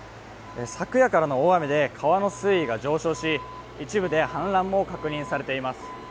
昨夜からの大雨で川の水位が上昇し、一部で氾濫も確認されています